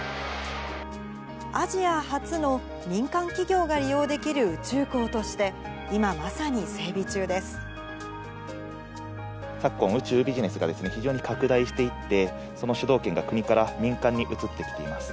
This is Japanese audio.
アジア初の民間企業が利用できる宇宙港として、今まさに整備中で昨今、宇宙ビジネスが非常に拡大していって、その主導権が国から民間に移ってきています。